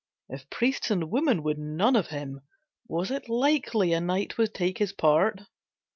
If priests and women would none of him Was it likely a knight would take his part?